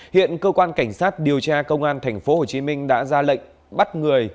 hiện cơ quan cảnh sát điều tra công an tp hcm đã ra lệnh bắt người